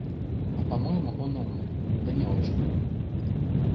А по-моему, он умный, да не очень.